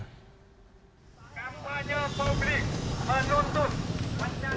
kampanye publik menuntun